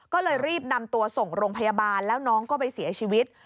ก็เลยรีบนำตัวส่งโรงพยาบาลแล้วน้องก็ไปเสียชีวิต